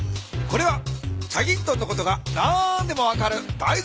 これは『チャギントン』のことが何でも分かるだい